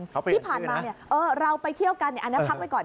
ที่ผ่านมาเราไปเที่ยวกันอันนี้พักไว้ก่อน